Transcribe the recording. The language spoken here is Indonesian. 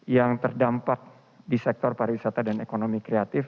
yang terdampak di sektor pariwisata dan ekonomi kreatif